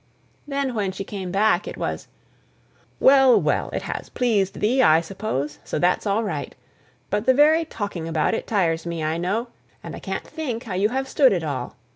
Then when she came back it was, "Well, well, it has pleased thee, I suppose, so that's all right. But the very talking about it tires me, I know, and I can't think how you have stood it all.